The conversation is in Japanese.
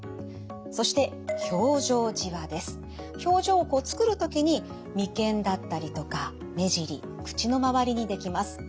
そして表情をつくる時に眉間だったりとか目尻口の周りにできます。